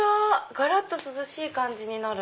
がらっと涼しい感じになる。